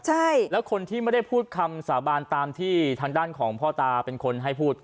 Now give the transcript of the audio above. ใช่แล้วคนที่ไม่ได้พูดคำสาบานตามที่ทางด้านของพ่อตาเป็นคนให้พูด